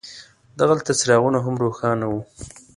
دغلته څراغونه هم روښان وو.